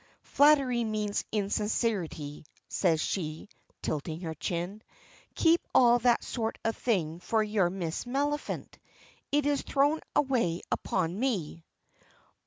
"Flattery means insincerity," says she, tilting her chin, "keep all that sort of thing for your Miss Maliphant; it is thrown away upon me."